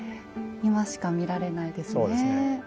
今しか見られないですねえ。